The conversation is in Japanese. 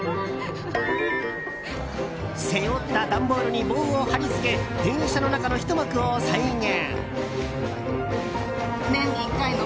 背負った段ボールに棒を貼り付け電車の中のひと幕を再現。